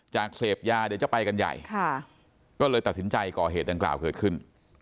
เสพยาเดี๋ยวจะไปกันใหญ่ก็เลยตัดสินใจก่อเหตุดังกล่าวเกิดขึ้น